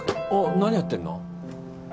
何やってんの？